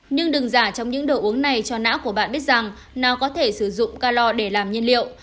nhưng đừng giả trong những đồ uống này cho não của bạn biết rằng nó có thể sử dụng calor để làm nhiên liệu